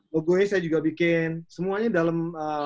logo nya saya juga bikin semuanya dalam